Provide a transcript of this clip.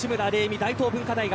大東文化大学